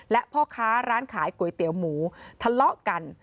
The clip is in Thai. และพ่อค้าร้านขายก๋วยเตี๋ยวหมูทะเลาะกัน